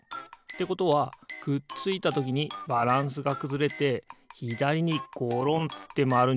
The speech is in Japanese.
ということはくっついたときにバランスがくずれてひだりにごろんってまわるんじゃないかな？